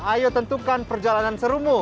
ayo tentukan perjalanan serumu